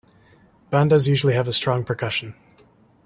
Bandas usually have a strong percussion.